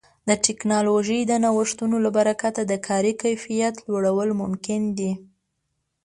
د ټکنالوژۍ د نوښتونو له برکت د کاري کیفیت لوړول ممکن دي.